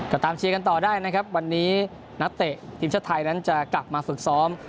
กะตามเชียร์กันต่อได้นะครับวันนี้เทศไทยจะกลับมาฝึกซ้อม